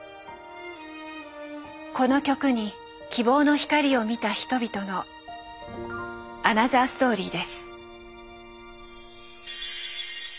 この曲に希望の光を見た人々のアナザーストーリーです。